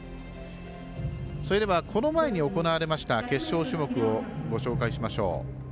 それではこの前に行われました決勝種目をご紹介しましょう。